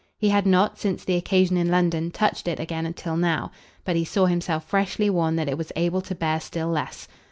He had not, since the occasion in London, touched it again till now; but he saw himself freshly warned that it was able to bear still less.